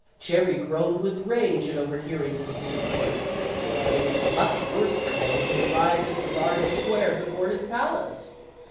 Cherry groaned with rage at overhearing this discourse; but it was much worse for him when he arrived at the large square before his palace.